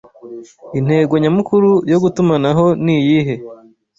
Intego nyamukuru yo gutumanaho niyihe